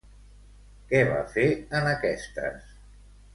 Què va fer en aquestes?